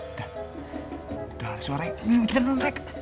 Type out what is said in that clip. udah udah ada suara